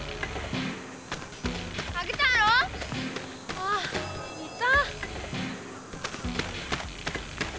ああいた。